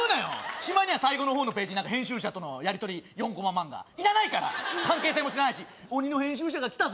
しまいには最後の方のページに何か編集者とのやりとり４コマ漫画いらないから関係性も知らないし「鬼の編集者が来たぞ」